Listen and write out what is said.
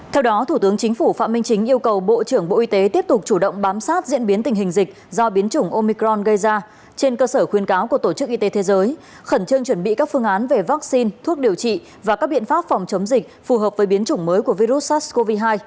trước diễn biến phức tạp của dịch bệnh covid một mươi chín do biến chủng omicron trên thế giới và dự báo tình hình dịch covid một mươi chín trong nước thủ tướng chính phủ phạm minh chính vừa có trí giới khẩn trương chuẩn bị các phương án về vắc xin thuốc điều trị và các biện pháp phòng chống dịch phù hợp với biến chủng mới của virus sars cov hai